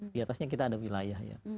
di atasnya kita ada wilayah ya